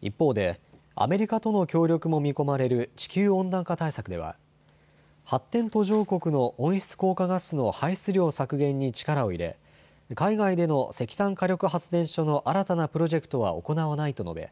一方でアメリカとの協力も見込まれる地球温暖化対策では発展途上国の温室効果ガスの排出量削減に力を入れ、海外での石炭火力発電所の新たなプロジェクトは行わないと述べ